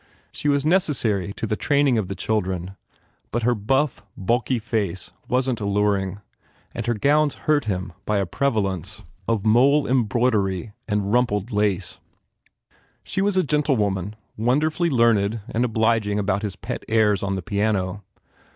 She was necessary to the train ing of the children but her buff, bulky face wasn t alluring and her gowns hurt him by a prevalence of mole embroidery and rumpled lace. She was a gentlewoman, wonderfully learned and obliging about his pet airs on the piano.